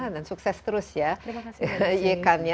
dan sukses terus ya